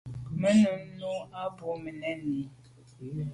Me num nu à bû mèn i.